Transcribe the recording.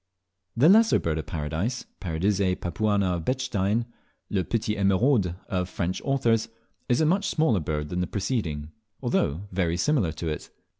The Lesser Bird of Paradise (Paradisea papuana of Bechstein), "Le petit Emeraude" of French authors, is a much smaller bird than the preceding, although very similar to it.